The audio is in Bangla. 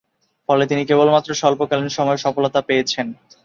ফলে, তিনি কেবলমাত্র স্বল্পকালীন সময়ে সফলতা পেয়েছেন।